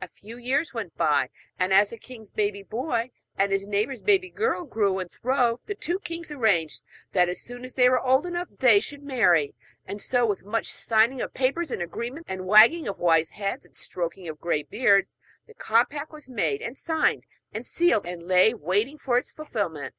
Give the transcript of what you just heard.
A few years went by; and, as the king's boy baby and his neighbour's girl baby grew and throve, the two kings arranged that as soon as they were old enough they should marry; and so, with much signing of papers and agreements, and wagging of wise heads, and stroking of grey beards, the compact was made, and signed, and sealed, and lay waiting for its fulfilment.